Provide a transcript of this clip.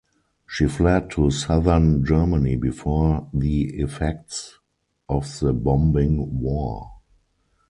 She fled to southern Germany before the effects of the bombing war.